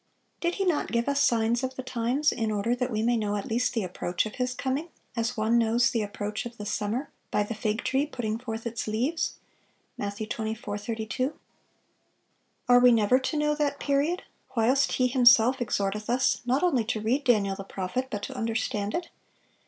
Did He not give us signs of the times, in order that we may know at least the approach of His coming, as one knows the approach of the summer by the fig tree putting forth its leaves? Matt. 24:32. Are we never to know that period, whilst He Himself exhorteth us not only to read Daniel the prophet, but to understand it?